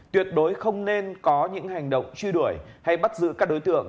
tuyệt đối không nên có những hành động truy đuổi hay bắt giữ các đối tượng